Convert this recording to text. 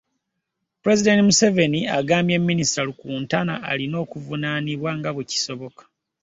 Pulezidenti Museveni agamba minisita Rukutana alina okuvunaanibwa nga bwe kisoboka